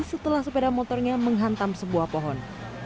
setelah sepeda motornya menghantam sebuah pohon